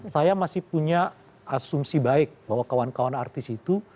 saya masih punya asumsi baik bahwa kawan kawan artis itu